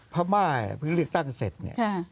พระม่าเนี่ยพึ่งเลือกตั้งเสร็จเนี่ย